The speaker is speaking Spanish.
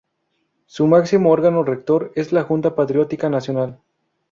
Su máximo órgano rector es la Junta Patriótica Nacional.